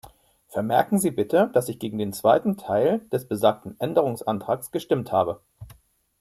Vermerken Sie bitte, dass ich gegen den zweiten Teil des besagten Änderungsantrags gestimmt habe.